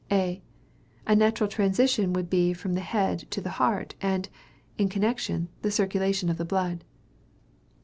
A. A natural transition would be from the head to the heart, and, in connection, the circulation of the blood.